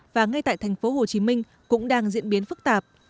và ngay tại tp hcm cũng đang diễn biến phức tạp